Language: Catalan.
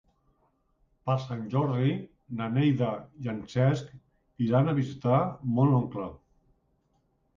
Per Sant Jordi na Neida i en Cesc iran a visitar mon oncle.